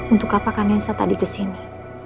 untuk apa kan nisa tadi kesini